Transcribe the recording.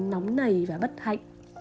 nóng nảy và bất hạnh